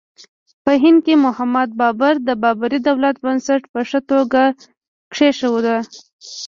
په هند کې محمد بابر د بابري دولت بنسټ په ښه توګه کېښود.